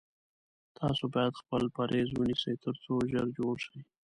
تاسو باید خپل پریز ونیسی تر څو ژر جوړ شی